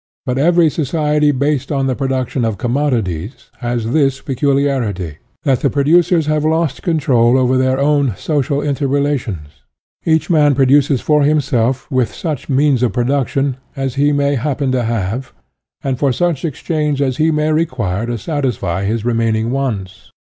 But every society, based upon the production of commodities, has this peculiarity : that the producers have lost control over their own social inter relations. Each man produces for himself with such means of production as he may happen to IO6 SOCIALISM have, and for such exchange as he may re quire to satisfy his remaining wants.